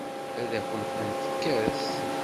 Ad akent-tent-tekkes?